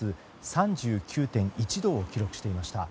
３９．１度を記録していました。